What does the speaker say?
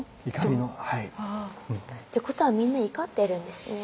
っていうことはみんな怒ってるんですね。